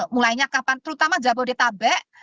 mulainya kapan terutama jabodetabek